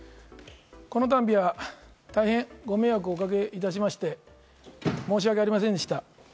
この度は大変ご迷惑をおかけいたしまして、申し訳ありませんでした。